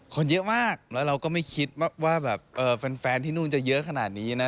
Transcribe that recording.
คนเยอะมากแล้วเราก็ไม่คิดว่าแบบแฟนที่นู่นจะเยอะขนาดนี้นะ